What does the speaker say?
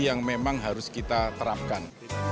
yang memang harus kita terapkan